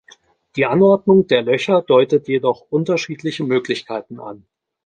Die Anordnung der Löcher deutet jedoch unterschiedliche Möglichkeiten an.